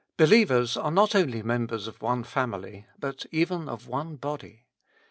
Be lievers are not only members of one family, but even of one body.